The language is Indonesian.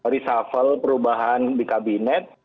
reshuffle perubahan di kabinet